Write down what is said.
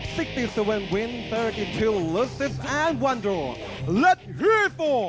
สวัสดีครับสวัสดีครับ